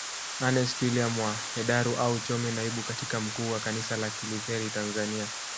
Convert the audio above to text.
Ernest William wa Hedaru au Chome Naibu Katibu Mkuu wa kanisa la kilutheri Tanzania